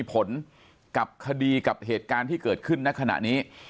ปากกับภาคภูมิ